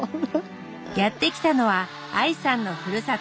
やって来たのはＡＩさんのふるさと